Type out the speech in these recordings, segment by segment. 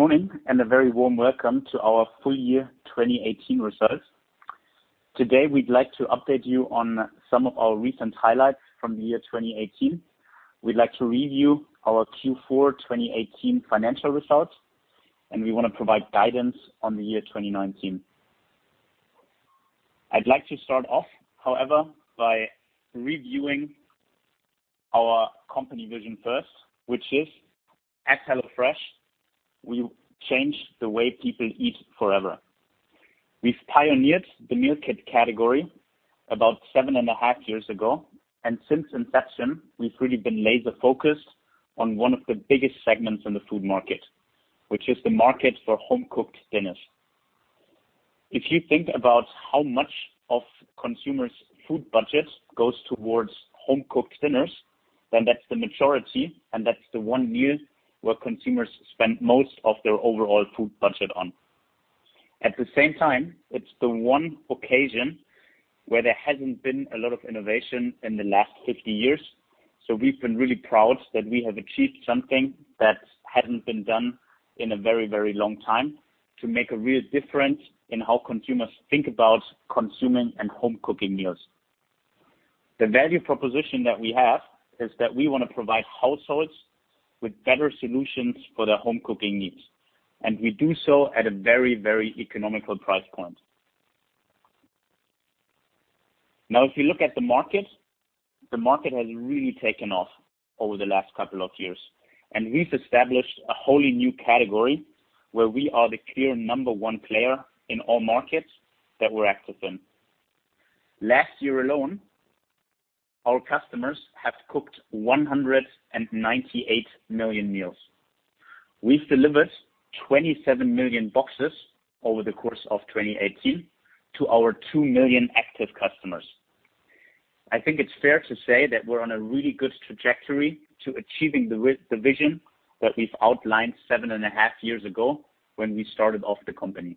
Good morning and a very warm welcome to our Full Year 2018 Results. Today, we'd like to update you on some of our recent highlights from the year 2018. We'd like to review our Q4 2018 financial results. We want to provide guidance on the year 2019. I'd like to start off, however, by reviewing our company vision first, which is, at HelloFresh, we change the way people eat forever. We've pioneered the meal kit category about seven and a half years ago. Since inception, we've really been laser-focused on one of the biggest segments in the food market, which is the market for home-cooked dinners. If you think about how much of consumers' food budgets goes towards home-cooked dinners, that's the majority, and that's the one meal where consumers spend most of their overall food budget on. At the same time, it's the one occasion where there hasn't been a lot of innovation in the last 50 years. We've been really proud that we have achieved something that hadn't been done in a very long time to make a real difference in how consumers think about consuming and home cooking meals. The value proposition that we have is that we want to provide households with better solutions for their home cooking needs. We do so at a very economical price point. If you look at the market, the market has really taken off over the last couple of years. We've established a wholly new category where we are the clear number one player in all markets that we're active in. Last year alone, our customers have cooked 198 million meals. We've delivered 27 million boxes over the course of 2018 to our two million active customers. I think it's fair to say that we're on a really good trajectory to achieving the vision that we've outlined seven and a half years ago when we started off the company.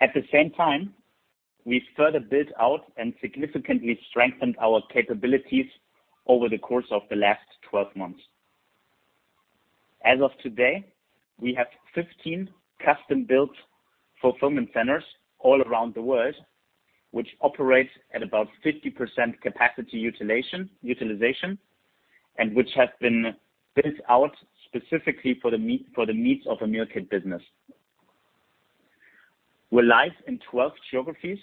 At the same time, we further built out and significantly strengthened our capabilities over the course of the last 12 months. As of today, we have 15 custom-built fulfillment centers all around the world, which operate at about 50% capacity utilization. Which have been built out specifically for the needs of a meal kit business. We're live in 12 geographies.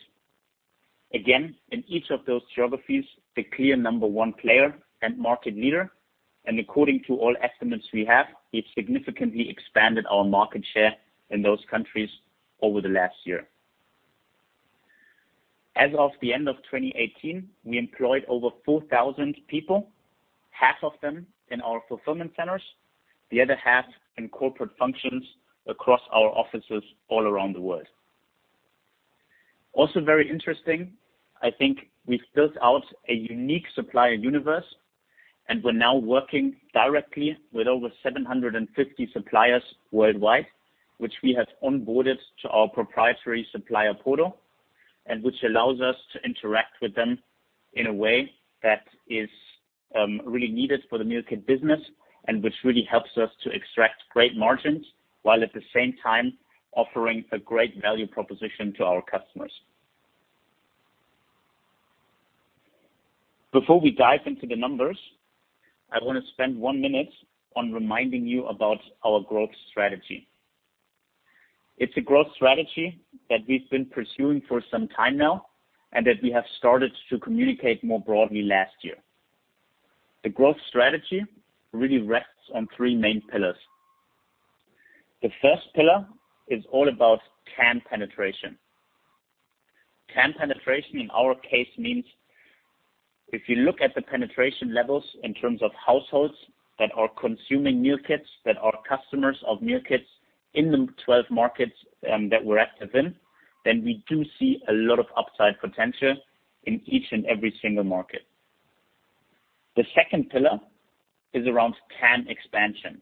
Again, in each of those geographies, the clear number one player and market leader. According to all estimates we have, we've significantly expanded our market share in those countries over the last year. As of the end of 2018, we employed over 4,000 people, half of them in our fulfillment centers, the other half in corporate functions across our offices all around the world. Very interesting, I think we've built out a unique supplier universe. We're now working directly with over 750 suppliers worldwide, which we have onboarded to our proprietary supplier portal. Which allows us to interact with them in a way that is really needed for the meal kit business. Which really helps us to extract great margins, while at the same time offering a great value proposition to our customers. Before we dive into the numbers, I want to spend one minute on reminding you about our growth strategy. It's a growth strategy that we've been pursuing for some time now. That we have started to communicate more broadly last year. The growth strategy really rests on three main pillars. The first pillar is all about TAM penetration. TAM penetration, in our case, means if you look at the penetration levels in terms of households that are consuming meal kits, that are customers of meal kits in the 12 markets that we're active in, then we do see a lot of upside potential in each and every single market. The second pillar is around TAM expansion.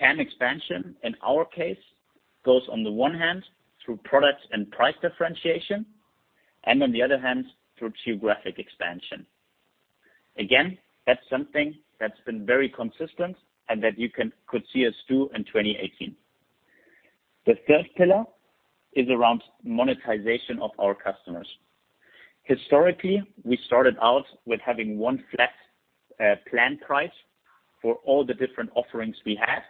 TAM expansion, in our case, goes on the one hand through products and price differentiation, and on the other hand, through geographic expansion. Again, that's something that's been very consistent and that you could see us do in 2018. The third pillar is around monetization of our customers. Historically, we started out with having one flat plan price for all the different offerings we had.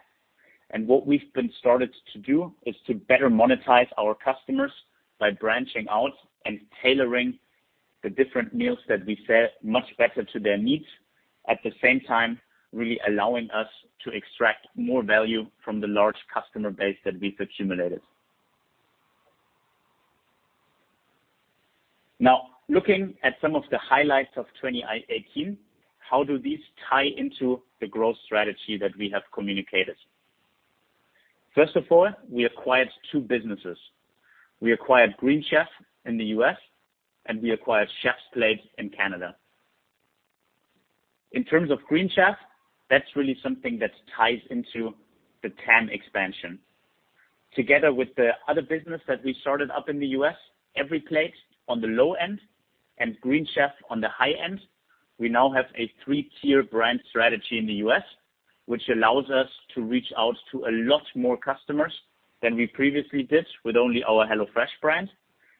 What we've been started to do is to better monetize our customers by branching out and tailoring the different meals that we sell much better to their needs. At the same time, really allowing us to extract more value from the large customer base that we've accumulated. Now, looking at some of the highlights of 2018, how do these tie into the growth strategy that we have communicated? First of all, we acquired two businesses. We acquired Green Chef in the U.S., and we acquired Chefs Plate in Canada. In terms of Green Chef, that's really something that ties into the TAM expansion. Together with the other business that we started up in the U.S., EveryPlate on the low end and Green Chef on the high end, we now have a three-tier brand strategy in the U.S., which allows us to reach out to a lot more customers than we previously did with only our HelloFresh brand,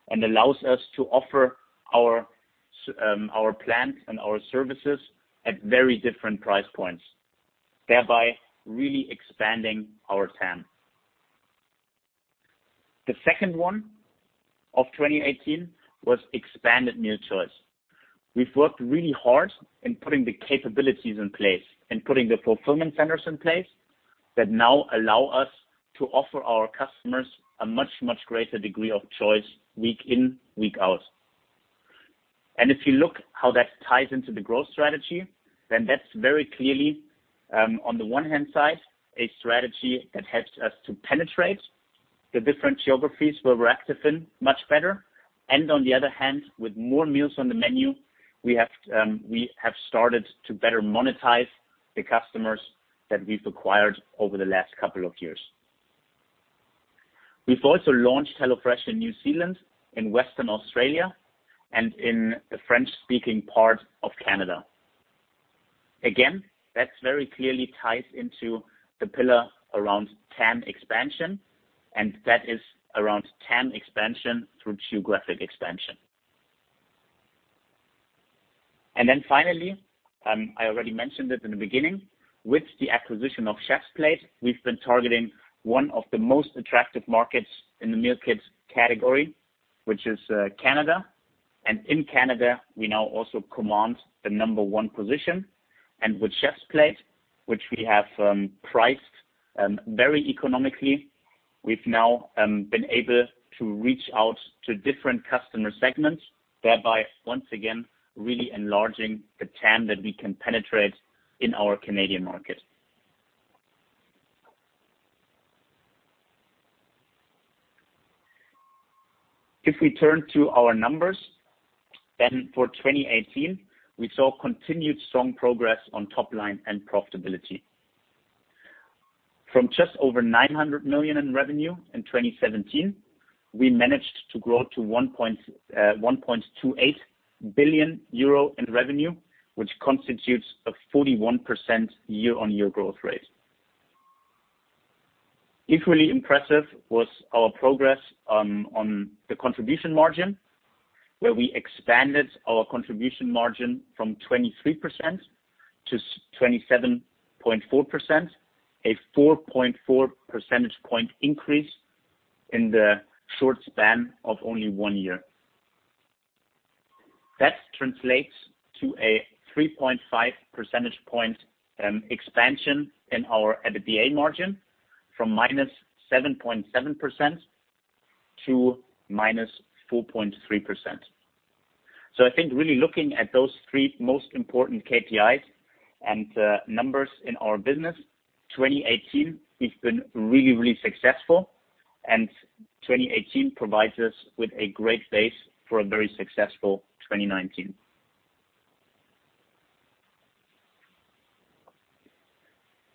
and allows us to offer our plans and our services at very different price points, thereby really expanding our TAM. The second one of 2018 was expanded meal choice. We've worked really hard in putting the capabilities in place and putting the fulfillment centers in place that now allow us to offer our customers a much, much greater degree of choice week in, week out. If you look how that ties into the growth strategy, then that's very clearly, on the one-hand side, a strategy that helps us to penetrate the different geographies where we're active in much better. On the other hand, with more meals on the menu, we have started to better monetize the customers that we've acquired over the last couple of years. We've also launched HelloFresh in New Zealand, in Western Australia, and in the French-speaking part of Canada. Again, that very clearly ties into the pillar around TAM expansion, and that is around TAM expansion through geographic expansion. Then finally, I already mentioned it in the beginning, with the acquisition of Chefs Plate, we've been targeting one of the most attractive markets in the meal kit category, which is Canada. In Canada, we now also command the number one position. With Chefs Plate, which we have priced very economically, we've now been able to reach out to different customer segments, thereby once again really enlarging the TAM that we can penetrate in our Canadian market. For 2018, we saw continued strong progress on top line and profitability. From just over 900 million in revenue in 2017, we managed to grow to 1.28 billion euro in revenue, which constitutes a 41% year-over-year growth rate. Equally impressive was our progress on the contribution margin, where we expanded our contribution margin from 23% to 27.4%, a 4.4 percentage point increase in the short span of only one year. That translates to a 3.5 percentage point expansion in our EBITDA margin from -7.7% to -4.3%. I think really looking at those three most important KPIs and numbers in our business, 2018 has been really, really successful, 2018 provides us with a great base for a very successful 2019.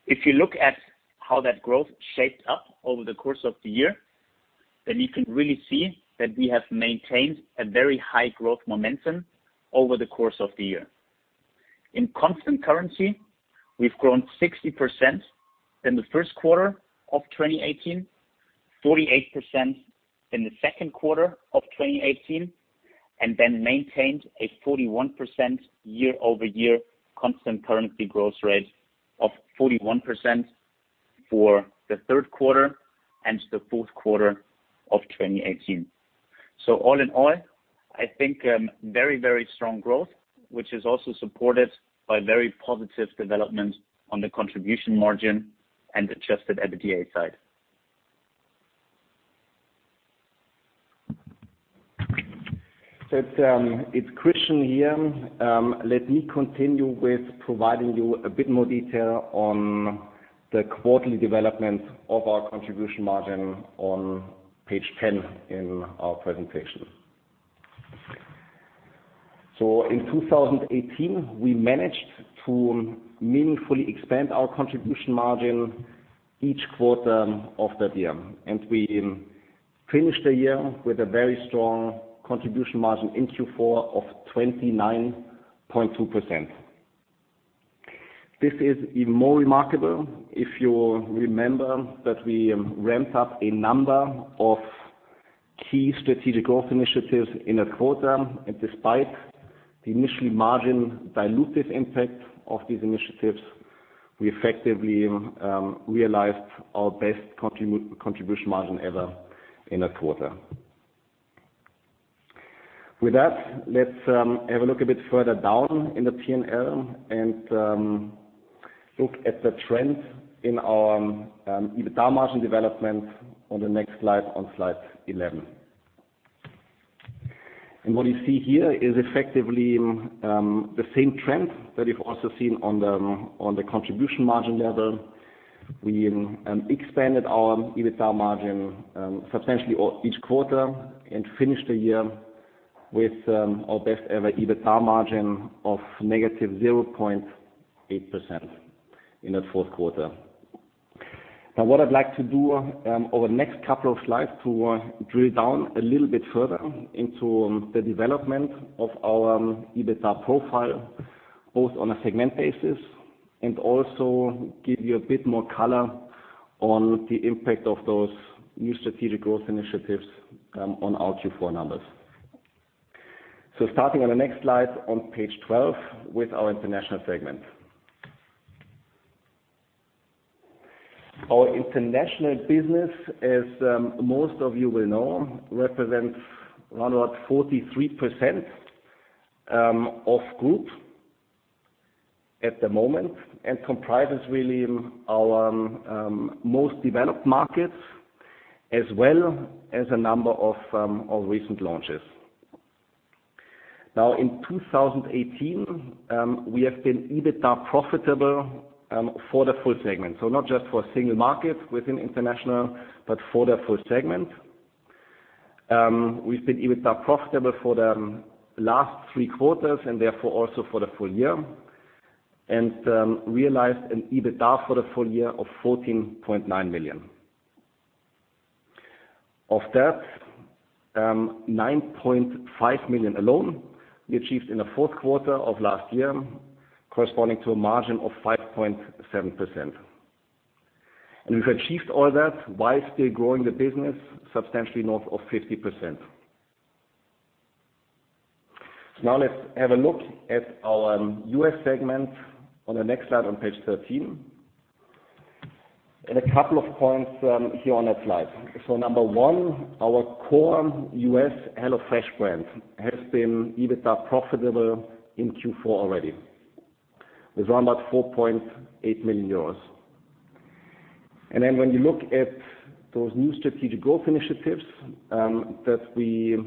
If you look at how that growth shaped up over the course of the year, you can really see that we have maintained a very high growth momentum over the course of the year. In constant currency, we've grown 60% in the Q1 of 2018, 48% in the second quarter of 2018, maintained a 41% year-over-year constant currency growth rate of 41% for the Q3 and the Q4 of 2018. All in all, I think very, very strong growth, which is also supported by very positive development on the contribution margin and Adjusted EBITDA side. It's Christian here. Let me continue with providing you a bit more detail on the quarterly development of our contribution margin on page 10 in our presentation. In 2018, we managed to meaningfully expand our contribution margin each quarter of that year. We finished the year with a very strong contribution margin in Q4 of 29.2%. This is even more remarkable if you remember that we ramped up a number of key strategic growth initiatives in a quarter. Despite the initial margin dilutive impact of these initiatives, we effectively realized our best contribution margin ever in a quarter. With that, let's have a look a bit further down in the P&L and look at the trends in our EBITDA margin development on the next slide, on slide 11. What you see here is effectively the same trend that we've also seen on the contribution margin level. We expanded our EBITDA margin substantially each quarter and finished the year with our best ever EBITDA margin of -0.8% in Q4. What I'd like to do over the next couple of slides, to drill down a little bit further into the development of our EBITDA profile, both on a segment basis and also give you a bit more color on the impact of those new strategic growth initiatives on our Q4 numbers. Starting on the next slide on page 12 with our international segment. Our international business, as most of you will know, represents around about 43% of group at the moment and comprises really our most developed markets as well as a number of recent launches. In 2018, we have been EBITDA profitable for the full segment. Not just for a single market within international, but for the full segment. We've been EBITDA profitable for the last three quarters and therefore also for the full year and realized an EBITDA for the full year of 14.9 million. Of that, 9.5 million alone we achieved in the Q4 of last year, corresponding to a margin of 5.7%. We've achieved all that while still growing the business substantially north of 50%. Now let's have a look at our U.S. segment on the next slide on page 13, and a couple of points here on that slide. Number one, our core U.S. HelloFresh brand has been EBITDA profitable in Q4 already with around about 4.8 million euros. When you look at those new strategic growth initiatives that we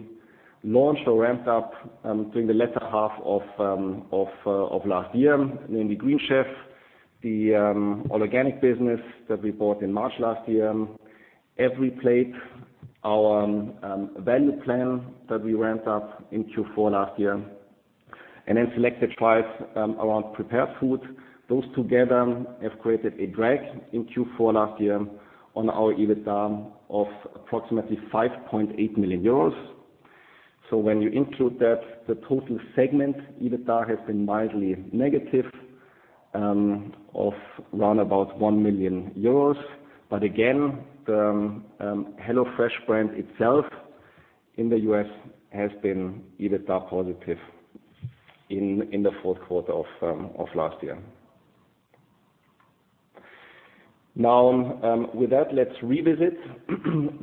launched or ramped up during the latter half of last year, namely Green Chef, the all-organic business that we bought in March last year, EveryPlate, our value plan that we ramped up in Q4 last year, and Selected Choice around prepared foods. Those together have created a drag in Q4 last year on our EBITDA of approximately 5.8 million euros. When you include that, the total segment EBITDA has been mildly negative of around about 1 million euros. Again, the HelloFresh brand itself in the U.S. has been EBITDA positive in the Q4 of last year. With that, let's revisit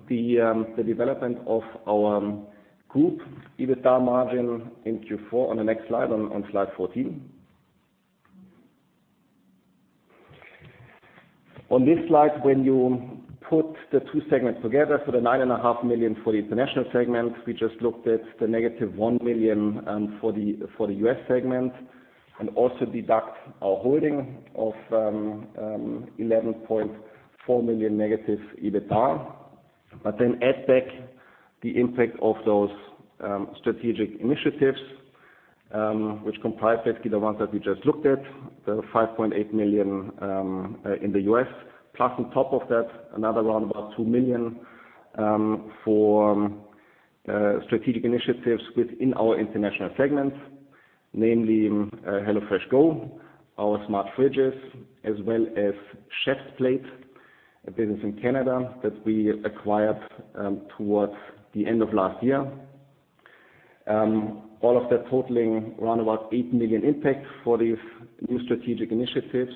the development of our group EBITDA margin in Q4 on the next slide, on slide 14. On this slide, when you put the two segments together, the 9.5 million For the international segment, we just looked at the -1 million for the U.S. segment and also deduct our holding of 11.4 million negative EBITDA. Then add back the impact of those strategic initiatives, which comprise basically the ones that we just looked at, the 5.8 million in the U.S. Plus on top of that, another round about 2 million for strategic initiatives within our international segments, namely HelloFresh Go, our smart fridges, as well as Chefs Plate, a business in Canada that we acquired towards the end of last year. All of that totaling around about 8 million impact for these new strategic initiatives.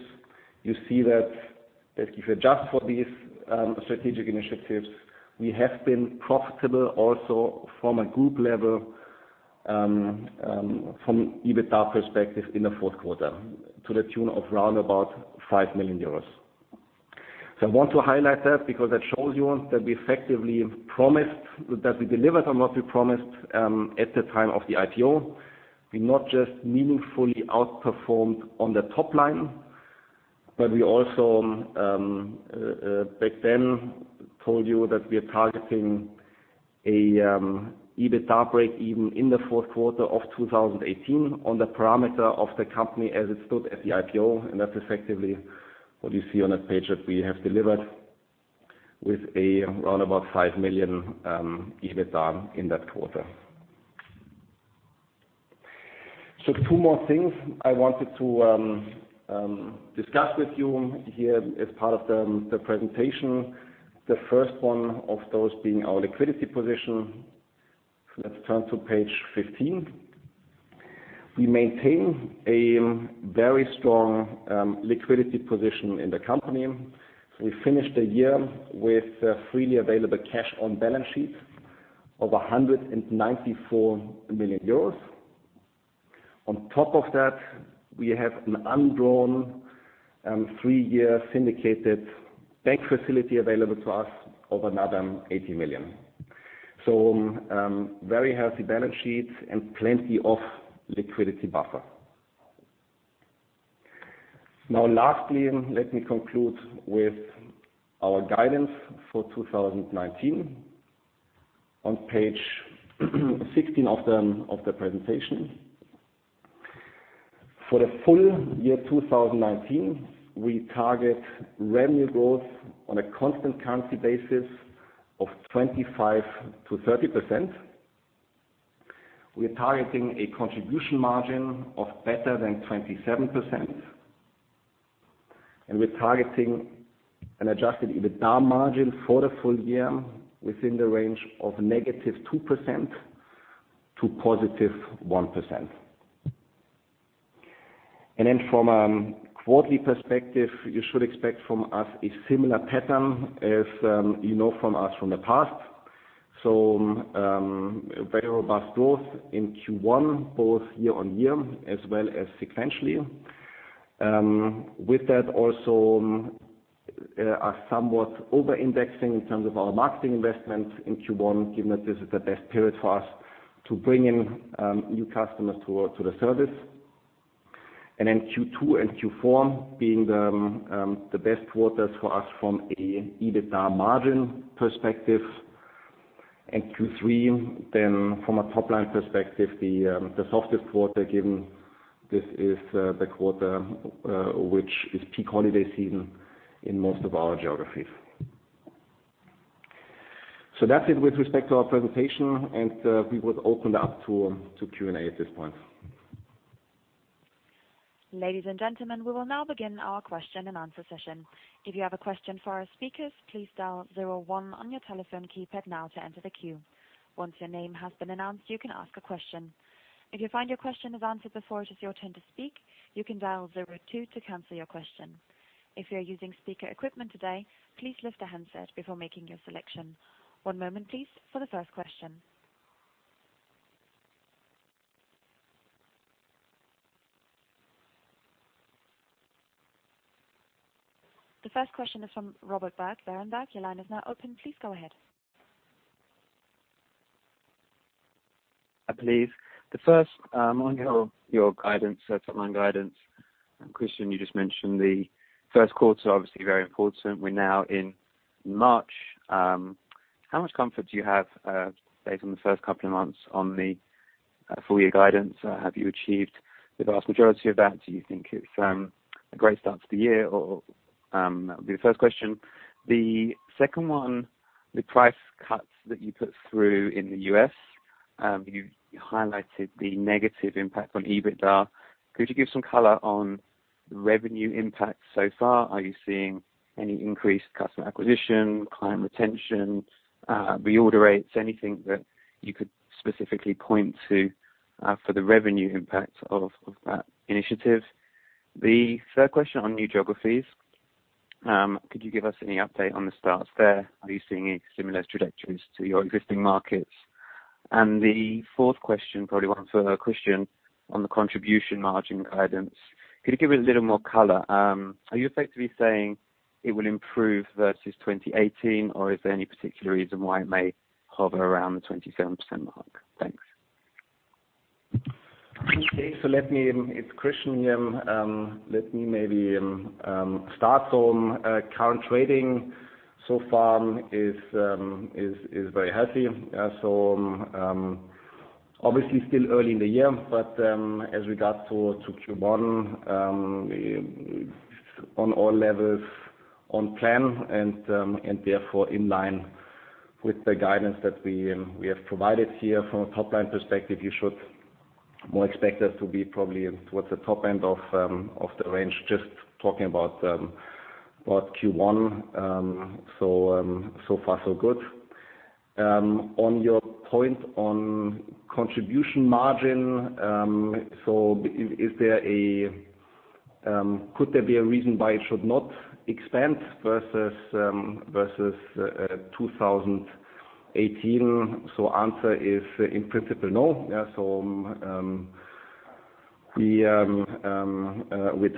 You see that if you adjust for these strategic initiatives, we have been profitable also from a group level, from an EBITDA perspective in Q4 to the tune of around about 5 million euros. I want to highlight that because that shows you that we delivered on what we promised at the time of the IPO. We not just meaningfully outperformed on the top line, but we also, back then told you that we are targeting an EBITDA break even in the Q4 of 2018 on the parameter of the company as it stood at the IPO, and that's effectively what you see on that page that we have delivered with around about 5 million EBITDA in that quarter. Two more things I wanted to discuss with you here as part of the presentation. The first one of those being our liquidity position. Let's turn to page 15. We maintain a very strong liquidity position in the company. We finished the year with freely available cash on balance sheet of 194 million euros. On top of that, we have an undrawn three-year syndicated bank facility available to us of another 80 million. Very healthy balance sheet and plenty of liquidity buffer. Lastly, let me conclude with our guidance for 2019 on page 16 of the presentation. For the full year 2019, we target revenue growth on a constant currency basis of 25%-30%. We are targeting a contribution margin of better than 27%, and we're targeting an Adjusted EBITDA margin for the full year within the range of -2% to +1%. From a quarterly perspective, you should expect from us a similar pattern as you know from us from the past. Very robust growth in Q1, both year-over-year as well as sequentially. With that also, are somewhat over-indexing in terms of our marketing investment in Q1, given that this is the best period for us to bring in new customers to the service. Q2 and Q4 being the best quarters for us from an EBITDA margin perspective, and Q3 then from a top-line perspective, the softest quarter, given this is the quarter, which is peak holiday season in most of our geographies. That's it with respect to our presentation, and we would open it up to Q&A at this point. Ladies and gentlemen, we will now begin our question and answer session. If you have a question for our speakers, please dial zero one on your telephone keypad now to enter the queue. Once your name has been announced, you can ask a question. If you find your question is answered before it is your turn to speak, you can dial zero two to cancel your question. If you're using speaker equipment today, please lift the handset before making your selection. One moment, please, for the first question. The first question is from Robert Berg. Your line is now open. Please go ahead. Hi, please. The first on your top-line guidance, Christian, you just mentioned Q1, obviously very important. We're now in March. How much comfort do you have, based on the first couple of months on the full year guidance? Have you achieved the vast majority of that? Do you think it's a great start to the year or-- That would be the first question. The second one, the price cuts that you put through in the U.S., you highlighted the negative impact on EBITDA. Could you give some color on the revenue impact so far? Are you seeing any increased customer acquisition, client retention, reorder rates, anything that you could specifically point to for the revenue impact of that initiative? The third question on new geographies, could you give us any update on the stats there? Are you seeing similar trajectories to your existing markets? The fourth question, probably one for Christian on the contribution margin guidance. Could you give it a little more color? Are you effectively saying it will improve versus 2018, or is there any particular reason why it may hover around the 27% mark? Thanks. Okay. It's Christian here. Let me maybe start on current trading so far is very healthy. Obviously still early in the year, but as regards to Q1 on all levels on plan and therefore in line with the guidance that we have provided here. From a top-line perspective, you should expect us to be probably towards the top end of the range, just talking about Q1. Far so good. On your point on contribution margin. Could there be a reason why it should not expand versus 2018? Answer is in principle, no. We're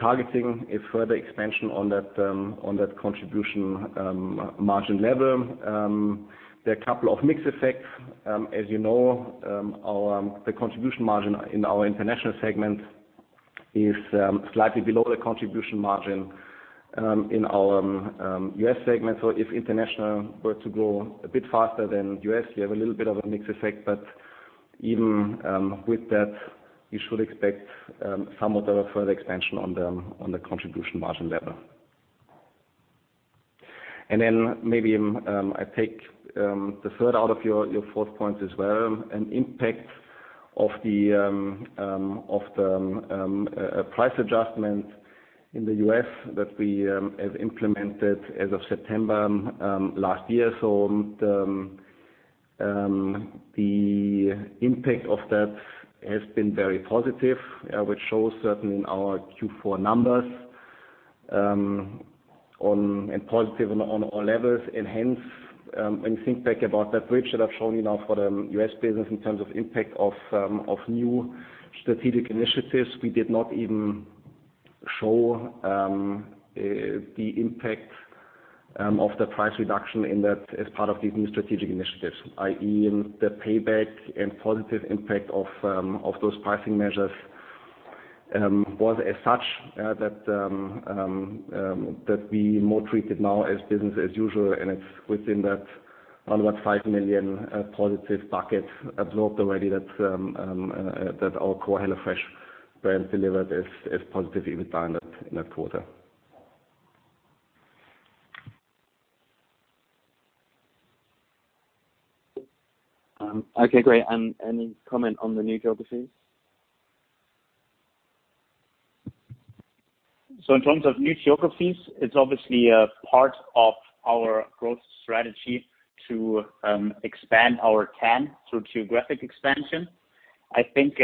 targeting a further expansion on that contribution margin level. There are a couple of mix effects. As you know, the contribution margin in our international segment is slightly below the contribution margin in our U.S. segment. If international were to grow a bit faster than U.S., we have a little bit of a mix effect. Even with that, you should expect some of the further expansion on the contribution margin level. Then maybe, I take the third out of your fourth point as well, an impact of the price adjustment in the U.S. that we have implemented as of September last year. The impact of that has been very positive, which shows certainly in our Q4 numbers, and positive on all levels. Hence, when you think back about that bridge that I've shown you now for the U.S. business in terms of impact of new strategic initiatives, we did not even show the impact of the price reduction as part of these new strategic initiatives, i.e., the payback and positive impact of those pricing measures was as such that we more treat it now as business as usual, and it's within that on what, five million positive bucket absorbed already that our core HelloFresh brand delivered as positive EBITDA in that quarter. Okay, great. Any comment on the new geographies? In terms of new geographies, it's obviously a part of our growth strategy to expand our TAM through geographic expansion. I think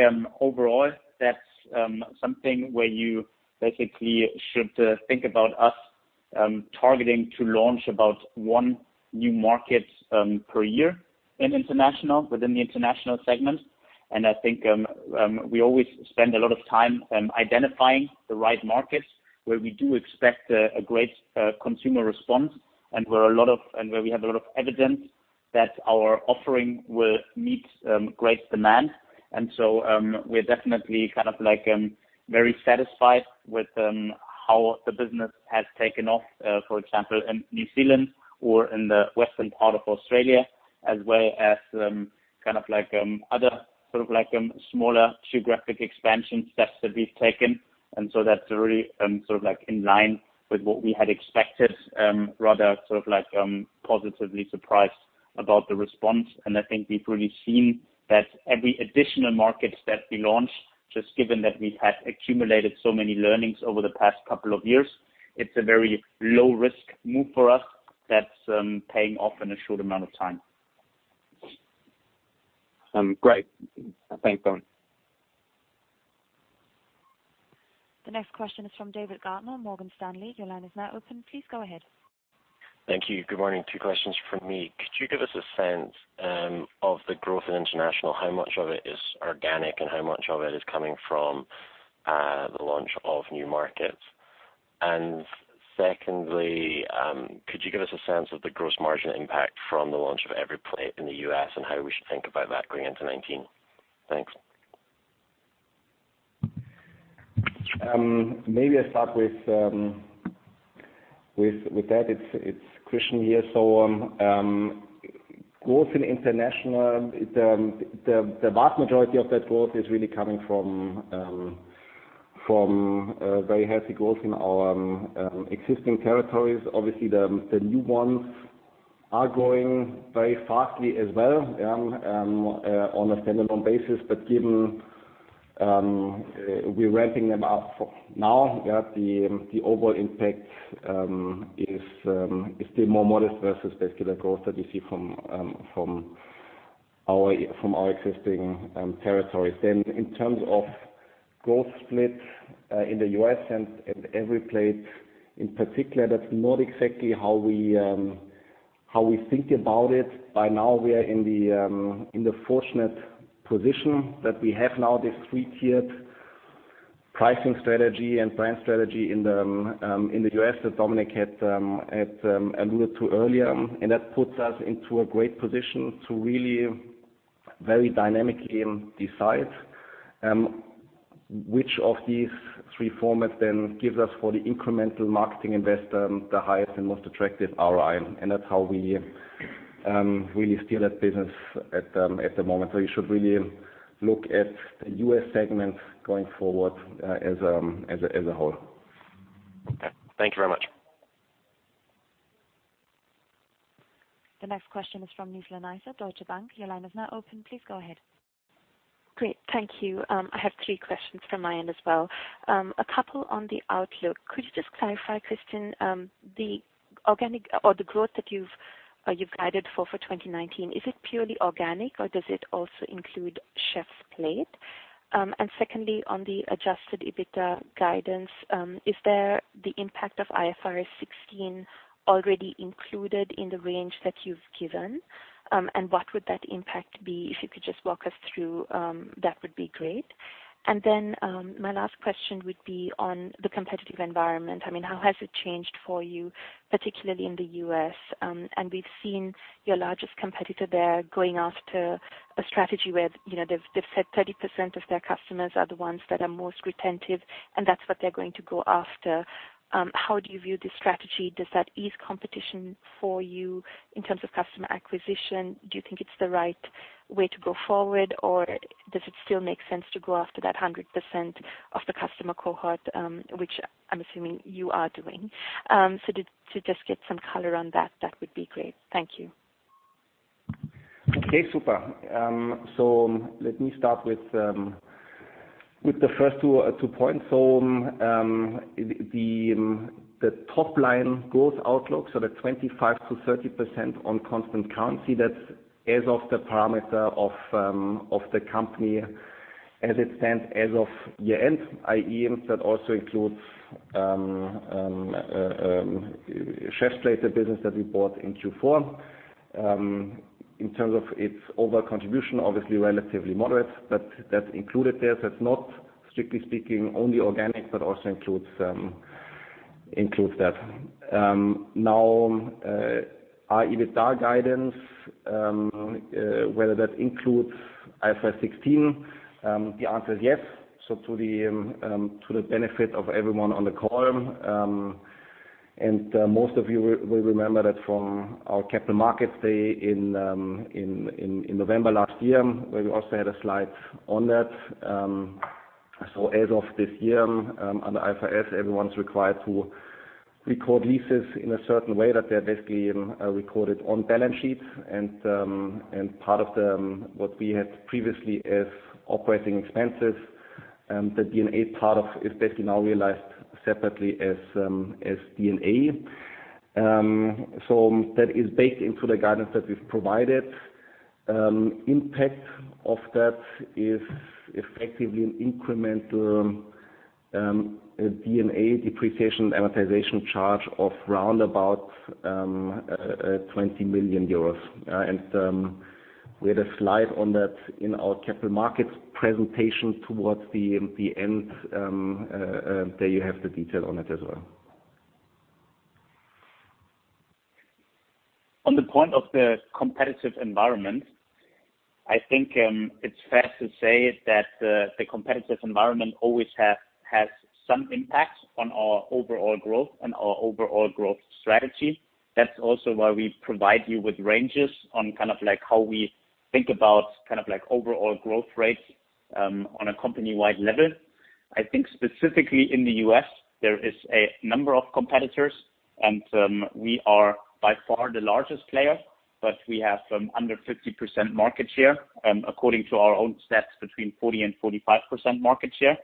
overall, that's something where you basically should think about us targeting to launch about one new market per year within the international segment. I think we always spend a lot of time identifying the right markets where we do expect a great consumer response and where we have a lot of evidence that our offering will meet great demand. We're definitely very satisfied with how the business has taken off, for example, in New Zealand or in the western part of Australia, as well as other sort of smaller geographic expansion steps that we've taken. That's really in line with what we had expected, rather positively surprised about the response. I think we've really seen that every additional market that we launch, just given that we have accumulated so many learnings over the past couple of years, it's a very low-risk move for us that's paying off in a short amount of time. Great. Thanks, Dominik. The next question is from David Reynolds, Morgan Stanley. Your line is now open. Please go ahead. Thank you. Good morning. Two questions from me. Could you give us a sense of the growth in international, how much of it is organic and how much of it is coming from the launch of new markets? Secondly, could you give us a sense of the gross margin impact from the launch of EveryPlate in the U.S. and how we should think about that going into 2019? Thanks. Maybe I start with that. It's Christian here. Growth in international, the vast majority of that growth is really coming from very healthy growth in our existing territories. Obviously, the new ones are growing very fastly as well on a standalone basis. Given we're ramping them up now, the overall impact is still more modest versus basically the growth that you see from our existing territories. In terms of growth split in the U.S. and EveryPlate in particular, that's not exactly how we think about it. By now, we are in the fortunate position that we have now this three-tiered pricing strategy and brand strategy in the U.S. that Dominik had alluded to earlier. That puts us into a great position to really very dynamically decide which of these three formats then gives us for the incremental marketing investment, the highest and most attractive ROI. That's how we really steer that business at the moment. You should really look at the U.S. segment going forward as a whole. Okay. Thank you very much. The next question is from Nizla Naizer, Deutsche Bank. Your line is now open, please go ahead. Great. Thank you. I have three questions from my end as well. A couple on the outlook. Could you just clarify, Christian, the growth that you've guided for 2019, is it purely organic or does it also include Chefs Plate? Secondly, on the Adjusted EBITDA guidance, is there the impact of IFRS 16 already included in the range that you've given? What would that impact be? If you could just walk us through, that would be great. Then my last question would be on the competitive environment. How has it changed for you, particularly in the U.S.? We've seen your largest competitor there going after a strategy where they've said 30% of their customers are the ones that are most retentive, and that's what they're going to go after. How do you view this strategy? Does that ease competition for you in terms of customer acquisition? Do you think it's the right way to go forward, or does it still make sense to go after that 100% of the customer cohort, which I'm assuming you are doing? To just get some color on that would be great. Thank you. Okay, super. Let me start with the first two points. The top line growth outlook, the 25%-30% on constant currency, that's as of the parameter of the company as it stands as of year-end, i.e., that also includes Chefs Plate, the business that we bought in Q4. In terms of its overall contribution, obviously relatively moderate, but that's included there. It's not strictly speaking only organic, but also includes that. Our EBITDA guidance, whether that includes IFRS 16, the answer is yes. To the benefit of everyone on the call, and most of you will remember that from our Capital Markets Day in November last year, where we also had a slide on that. As of this year, under IFRS, everyone's required to record leases in a certain way that they're basically recorded on balance sheets. Part of what we had previously as operating expenses, the D&A part of is basically now realized separately as D&A. That is baked into the guidance that we've provided. Impact of that is effectively an incremental D&A depreciation, amortization charge of round about 20 million euros. We had a slide on that in our capital markets presentation towards the end. There you have the detail on it as well. On the point of the competitive environment, I think it's fair to say that the competitive environment always has some impact on our overall growth and our overall growth strategy. That's also why we provide you with ranges on how we think about overall growth rates on a company-wide level. I think specifically in the U.S., there is a number of competitors and we are by far the largest player, but we have under 50% market share, according to our own stats, between 40%-45% market share.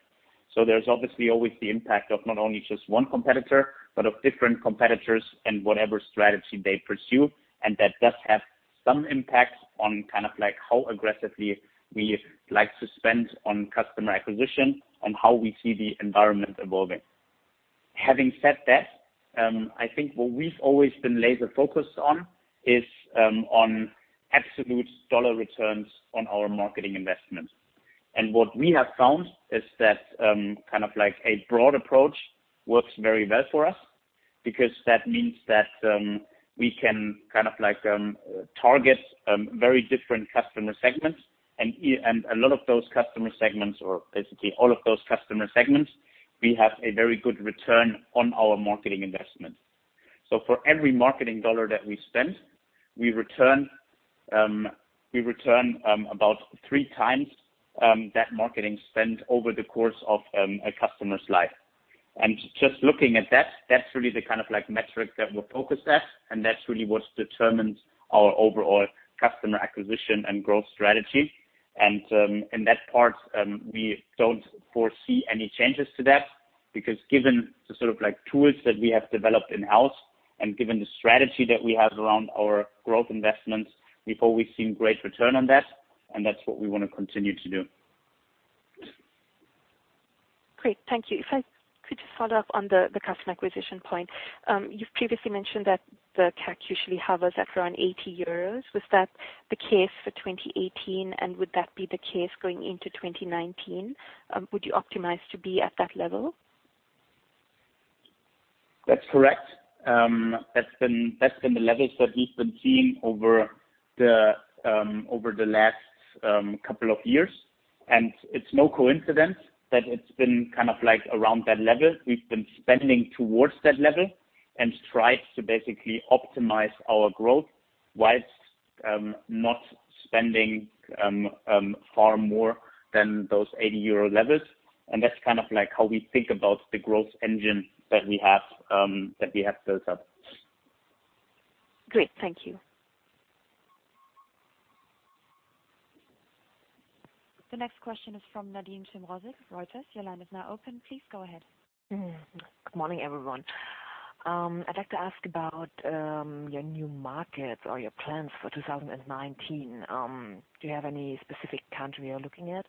There's obviously always the impact of not only just one competitor, but of different competitors and whatever strategy they pursue. That does have some impact on how aggressively we like to spend on customer acquisition and how we see the environment evolving. Having said that, I think what we've always been laser focused on is on absolute dollar returns on our marketing investments. What we have found is that a broad approach works very well for us because that means that we can target very different customer segments, and a lot of those customer segments, or basically all of those customer segments, we have a very good return on our marketing investment. For every marketing dollar that we spend, we return about 3x that marketing spend over the course of a customer's life. Just looking at that's really the kind of metric that we're focused at, and that's really what determines our overall customer acquisition and growth strategy. In that part, we don't foresee any changes to that because given the sort of tools that we have developed in-house and given the strategy that we have around our growth investments, we've always seen great return on that, and that's what we want to continue to do. Great. Thank you. If I could just follow up on the customer acquisition point. You've previously mentioned that the CAC usually hovers at around 80 euros. Was that the case for 2018 and would that be the case going into 2019? Would you optimize to be at that level? That's correct. That's been the levels that we've been seeing over the last couple of years, and it's no coincidence that it's been around that level. We've been spending towards that level and strive to basically optimize our growth whilst not spending far more than those 80 euro levels. That's how we think about the growth engine that we have built up. Great. Thank you. The next question is from Nadine Schimroszik, Reuters. Your line is now open. Please go ahead. Good morning, everyone. I'd like to ask about your new markets or your plans for 2019. Do you have any specific country you're looking at?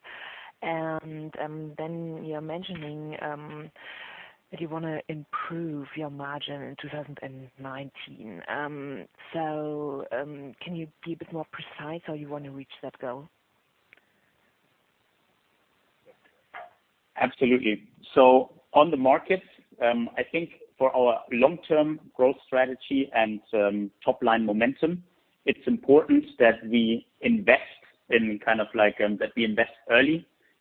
You're mentioning that you want to improve your margin in 2019. Can you be a bit more precise how you want to reach that goal? Absolutely. On the markets, I think for our long-term growth strategy and top line momentum, it's important that we invest early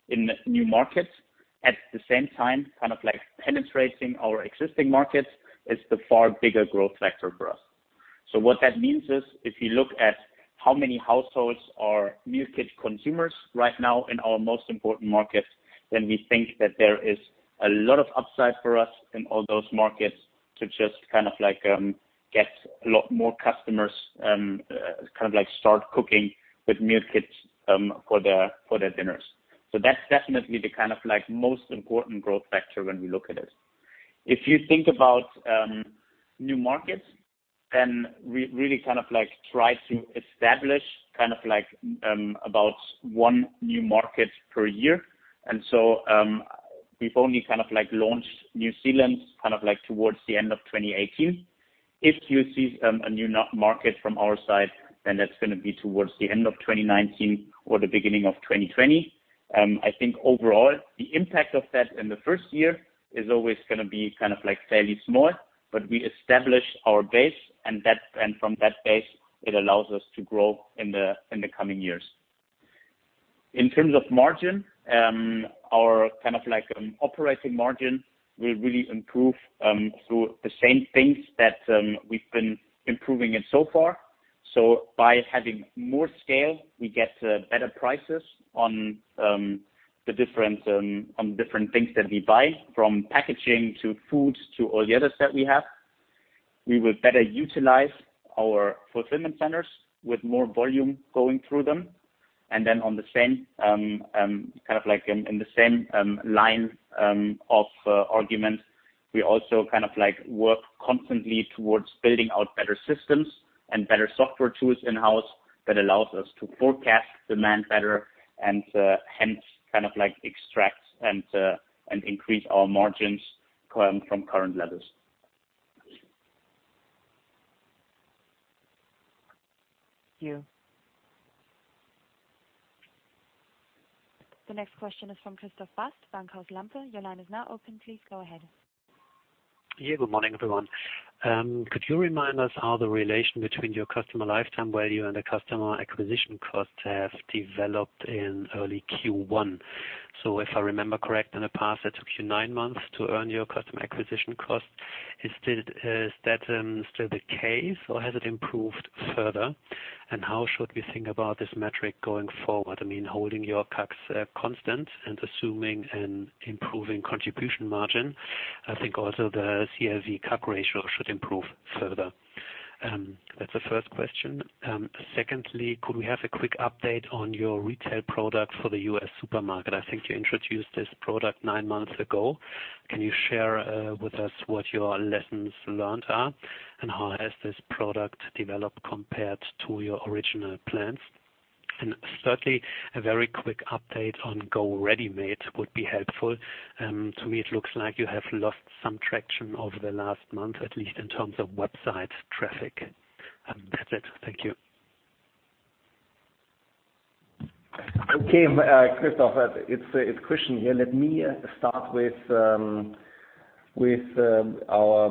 in new markets. At the same time, penetrating our existing markets is the far bigger growth factor for us. What that means is if you look at how many households are meal kit consumers right now in our most important markets, then we think that there is a lot of upside for us in all those markets to just get a lot more customers start cooking with meal kits for their dinners. That's definitely the most important growth factor when we look at it. If you think about new markets, then we really try to establish about one new market per year. We've only launched New Zealand towards the end of 2018. If you see a new market from our side, then that's going to be towards the end of 2019 or the beginning of 2020. I think overall, the impact of that in the first year is always going to be fairly small, but we establish our base and from that base, it allows us to grow in the coming years. In terms of margin, our operating margin will really improve through the same things that we've been improving in so far. By having more scale, we get better prices on different things that we buy, from packaging to foods to all the others that we have. We will better utilize our fulfillment centers with more volume going through them. in the same line of argument, we also work constantly towards building out better systems and better software tools in-house that allows us to forecast demand better and hence extract and increase our margins from current levels. Thank you. The next question is from Christoph Bast, Bankhaus Lampe. Your line is now open. Please go ahead. Good morning, everyone. Could you remind us how the relation between your customer lifetime value and the customer acquisition cost have developed in early Q1? If I remember correctly, in the past it took you nine months to earn your customer acquisition cost. Is that still the case or has it improved further? How should we think about this metric going forward? I mean, holding your CAC constant and assuming an improving contribution margin. I think also the CLV CAC ratio should improve further. That's the first question. Secondly, could we have a quick update on your retail product for the U.S. supermarket? I think you introduced this product nine months ago. Can you share with us what your lessons learned are and how has this product developed compared to your original plans? Thirdly, a very quick update on Go Ready-Made would be helpful. To me, it looks like you have lost some traction over the last month, at least in terms of website traffic. That's it. Thank you. Okay. Christoph, it's Christian here. Let me start with our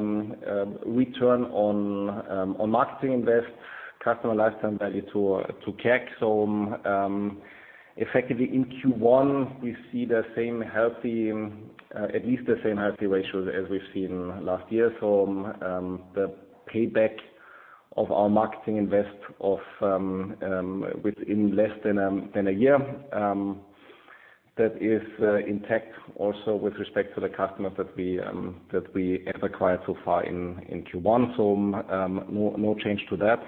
return on marketing invest customer lifetime value to CAC. Effectively in Q1 we see at least the same healthy ratio as we've seen last year. The payback of our marketing invest within less than a year, that is intact also with respect to the customers that we have acquired so far in Q1. No change to that.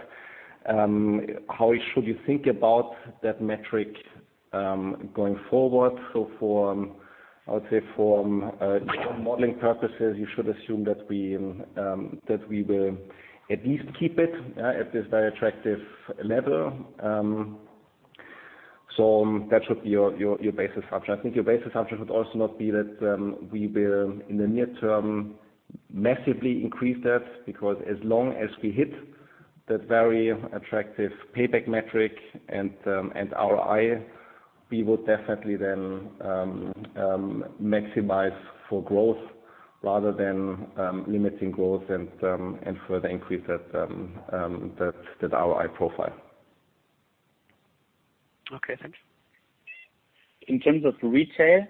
How should you think about that metric going forward? For modeling purposes, you should assume that we will at least keep it at this very attractive level. That should be your basis assumption. I think your basis assumption should also not be that we will, in the near term, massively increase that because as long as we hit that very attractive payback metric and ROI, we would definitely then maximize for growth rather than limiting growth and further increase that ROI profile. Okay, thank you. In terms of retail,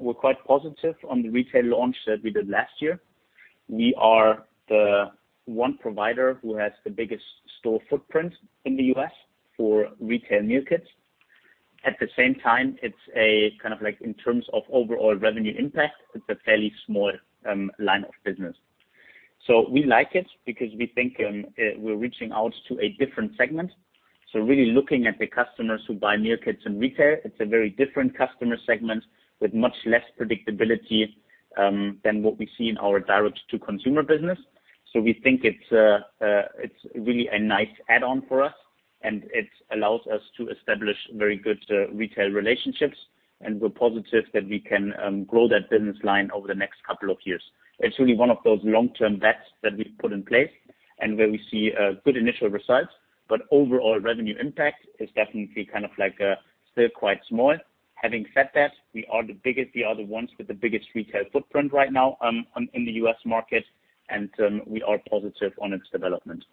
we're quite positive on the retail launch that we did last year. We are the one provider who has the biggest store footprint in the U.S. for retail meal kits. At the same time, in terms of overall revenue impact, it's a fairly small line of business. We like it because we think we're reaching out to a different segment. Really looking at the customers who buy meal kits in retail, it's a very different customer segment with much less predictability than what we see in our direct to consumer business. We think it's really a nice add-on for us and it allows us to establish very good retail relationships and we're positive that we can grow that business line over the next couple of years. It's really one of those long-term bets that we've put in place and where we see good initial results, but overall revenue impact is definitely still quite small. Having said that, we are the ones with the biggest retail footprint right now in the U.S. market, and we are positive on its development.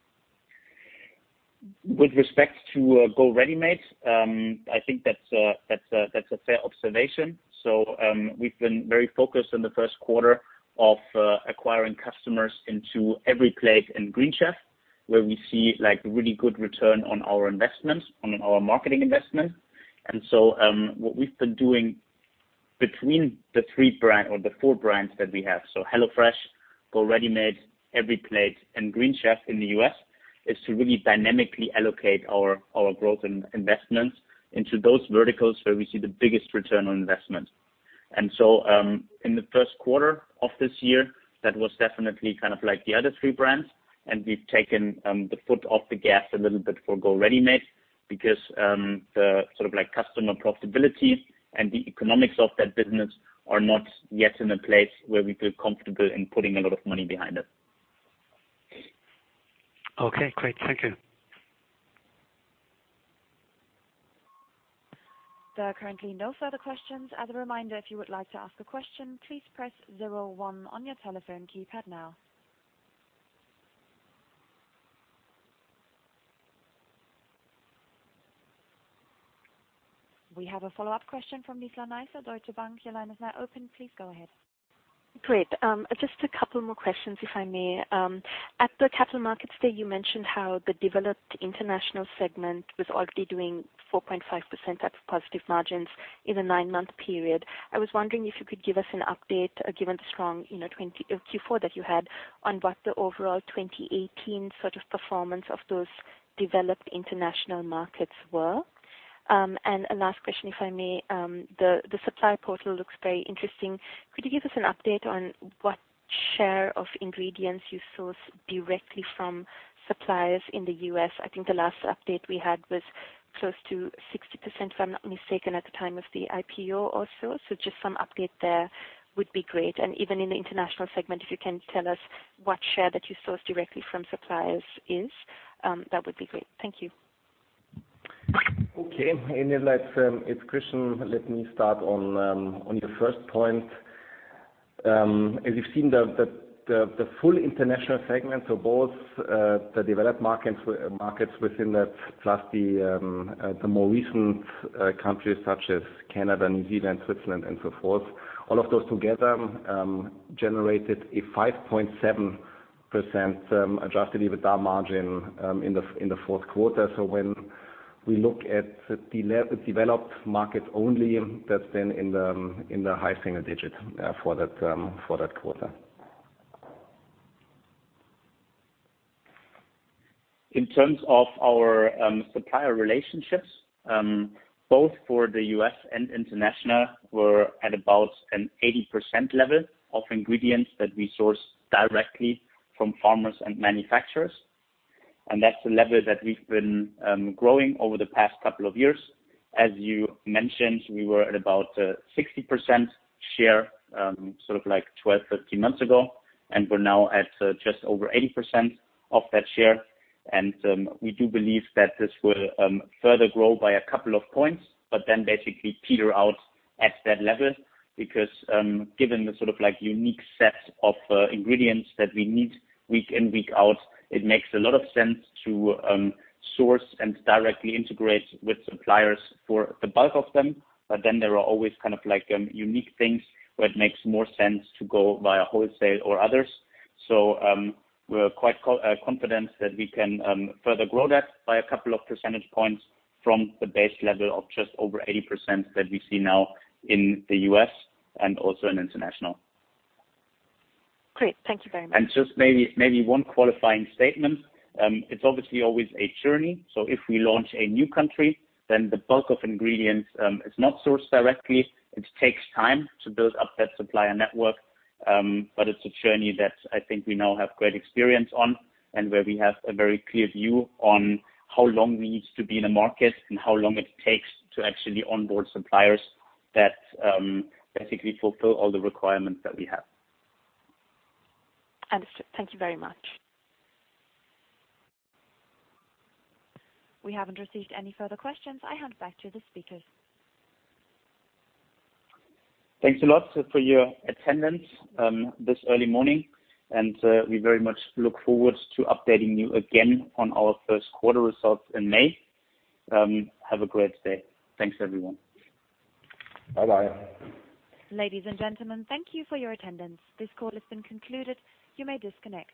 With respect to Go Ready-Made, I think that's a fair observation. We've been very focused in the Q1 of acquiring customers into EveryPlate and Green Chef, where we see really good return on our marketing investment. What we've been doing between the four brands that we have, HelloFresh, Go Ready-Made, EveryPlate, and Green Chef in the U.S., is to really dynamically allocate our growth and investments into those verticals where we see the biggest return on investment. In Q1 of this year, that was definitely the other three brands, and we've taken the foot off the gas a little bit for Go Ready-Made. Because the customer profitability and the economics of that business are not yet in a place where we feel comfortable in putting a lot of money behind it. Okay, great. Thank you. There are currently no further questions. As a reminder, if you would like to ask a question, please press zero one on your telephone keypad now. We have a follow-up question from Nizla Naizer, Deutsche Bank. Your line is now open. Please go ahead. Great. Just a couple more questions, if I may. At the Capital Markets Day, you mentioned how the developed international segment was already doing 4.5% of positive margins in a nine-month period. I was wondering if you could give us an update, given the strong Q4 that you had, on what the overall 2018 performance of those developed international markets were. A last question, if I may. The supplier portal looks very interesting. Could you give us an update on what share of ingredients you source directly from suppliers in the U.S.? I think the last update we had was close to 60%, if I'm not mistaken, at the time of the IPO also. Just some update there would be great. Even in the international segment, if you can tell us what share that you source directly from suppliers is, that would be great. Thank you. Okay. In that light, it's Christian. Let me start on your first point. As you've seen, the full international segment, so both the developed markets within that plus the more recent countries such as Canada, New Zealand, Switzerland, and so forth, all of those together generated a 5.7% Adjusted EBITDA margin in Q4. When we look at the developed markets only, that's been in the high single digit for that quarter. In terms of our supplier relationships, both for the U.S. and international, we're at about an 80% level of ingredients that we source directly from farmers and manufacturers. That's the level that we've been growing over the past couple of years. As you mentioned, we were at about a 60% share, sort of like 12, 13 months ago, and we're now at just over 80% of that share. We do believe that this will further grow by a couple of points, but then basically peter out at that level. Given the sort of unique set of ingredients that we need week in, week out, it makes a lot of sense to source and directly integrate with suppliers for the bulk of them. There are always unique things where it makes more sense to go via wholesale or others. We're quite confident that we can further grow that by a couple of percentage points from the base level of just over 80% that we see now in the U.S. and also in international. Great. Thank you very much. Just maybe one qualifying statement. It's obviously always a journey. If we launch a new country, then the bulk of ingredients is not sourced directly. It takes time to build up that supplier network. It's a journey that I think we now have great experience on, and where we have a very clear view on how long we need to be in a market and how long it takes to actually onboard suppliers that basically fulfill all the requirements that we have. Understood. Thank you very much. We haven't received any further questions. I hand back to the speakers. Thanks a lot for your attendance this early morning. We very much look forward to updating you again on our Q1 results in May. Have a great day. Thanks, everyone. Bye-bye. Ladies and gentlemen, thank you for your attendance. This call has been concluded. You may disconnect.